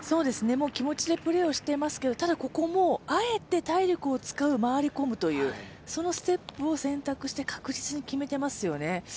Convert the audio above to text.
気持ちでプレーをしていますけれども、ただ、ここもあえて体力を使い、回り込むというステップを選択して、確実に決めていますよね。